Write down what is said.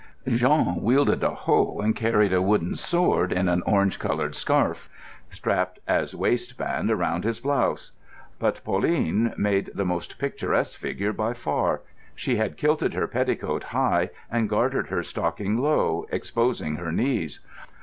Jean wielded a hoe and carried a wooden sword in an orange coloured scarf strapped as waistband around his blouse. But Pauline made the most picturesque figure by far. She had kilted her petticoat high, and gartered her stocking low, exposing her knees.